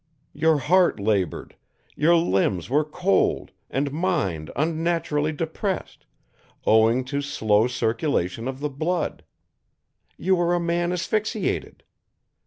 Your heart labored, your limbs were cold and mind unnaturally depressed, owing to slow circulation of the blood. You were a man asphyxiated.